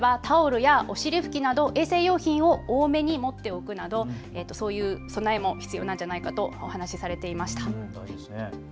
例えばタオルやお尻拭きなど衛生用品を多めに持っておくなどそういう備えも必要なんじゃないかとお話しされていました。